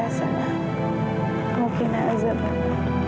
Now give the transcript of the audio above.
harusnya aku bener bener minta maaf ya rizky